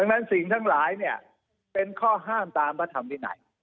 ดังนั้นสิ่งทั้งหลายเนี่ยเป็นข้อห้ามตามพระธรรมวินัย